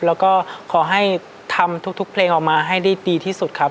แล้วก็ขอให้ทำทุกเพลงออกมาให้ได้ดีที่สุดครับ